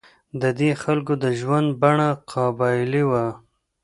د دې خلکو د ژوند بڼه قبایلي وه.